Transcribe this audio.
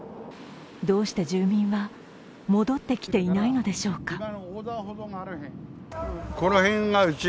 どうして住民は戻ってきていないのでしょうか。